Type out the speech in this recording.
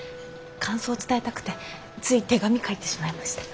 感想を伝えたくてつい手紙書いてしまいました。